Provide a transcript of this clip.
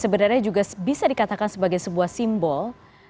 sebenarnya juga bisa dikatakan sebagai sebuah simbol